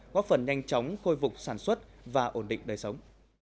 góp phần nhanh chóng khôi phục sản xuất và ổn định đời sống